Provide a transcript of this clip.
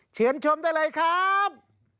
เชิญชมได้เลยครับ